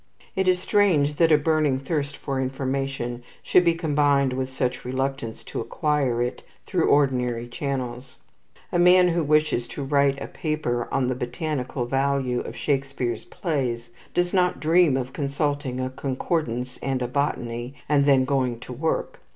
It is strange that a burning thirst for information should be combined with such reluctance to acquire it through ordinary channels. A man who wishes to write a paper on the botanical value of Shakespeare's plays does not dream of consulting a concordance and a botany, and then going to work.